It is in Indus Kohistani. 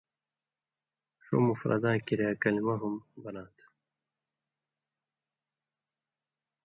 ݜُو مفرداں کریا کلمہ ہُم بناں تھہ